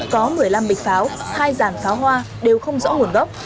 có một mươi năm bịch pháo hai dàn pháo hoa đều không rõ nguồn gốc